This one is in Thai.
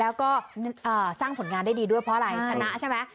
แล้วก็สร้างผลงานได้ดีด้วยเพราะอะไรชนะใช่ไหม